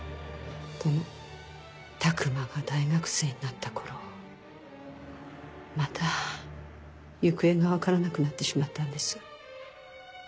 でも琢磨が大学生になった頃また行方が分からなくなってしまったんです。